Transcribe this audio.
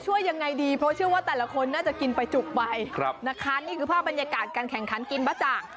ช่วยยังไงดีเพราะเชื่อว่าแต่ละคนน่าจะกินไปจุกไปนะคะนี่คือภาพบรรยากาศการแข่งขันกินบะจ่าง